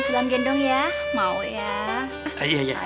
jalan gendong ya mau ya